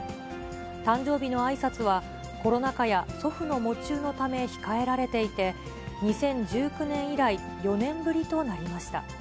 誕生日のあいさつは、コロナ禍や祖父の喪中のため控えられていて、２０１９年以来、４年ぶりとなりました。